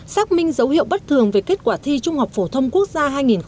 xác minh dấu hiệu bất thường về kết quả thi trung học phổ thông quốc gia hai nghìn một mươi tám